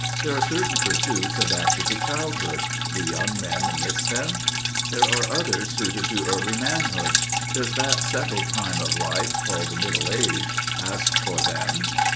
There are certain pursuits adapted to childhood: do young men miss them? There are others suited to early manhood: does that settled time of life called "middle age" ask for them?